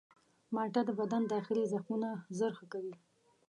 مالټه د بدن داخلي زخمونه ژر ښه کوي.